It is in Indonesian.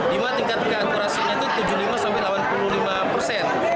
lima tingkat keakurasinya itu tujuh puluh lima sampai delapan puluh lima persen